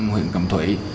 huyện cẩm thủy